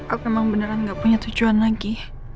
aku memang beneran gak punya tujuan lagi